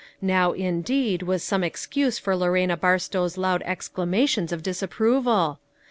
Now indeed there was some excuse for Lorena Barstow's loud exclamations of disapproval